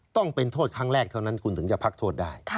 ต้องเป็นโทษครั้งแรกเท่านั้นคุณถึงจะพักโทษได้